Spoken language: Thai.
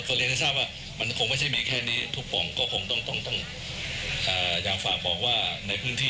ก็เรียนให้ทราบว่ามันคงไม่ใช่มีแค่นี้ทุกปล่องก็คงต้องต้องอยากฝากบอกว่าในพื้นที่